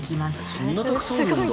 そんなたくさんあるんだ。